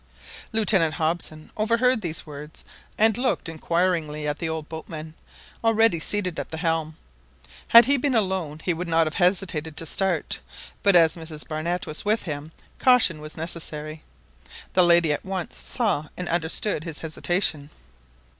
Lieutenant Hobson overheard these words, and looked inquiringly at the old boatman, already seated at the helm. Had he been alone he would not have hesitated to start, but as Mrs Barnett was with him caution was necessary. The lady at once saw and understood his hesitation.